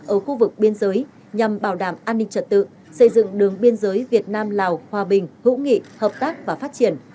ở khu vực biên giới nhằm bảo đảm an ninh trật tự xây dựng đường biên giới việt nam lào hòa bình hữu nghị hợp tác và phát triển